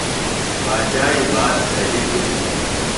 باچائی بات صہیۡ بِھلیۡ